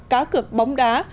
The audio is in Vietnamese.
cá cược bóng đá